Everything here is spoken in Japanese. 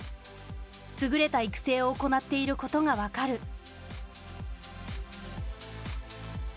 優れた育成を行っていることが分かる。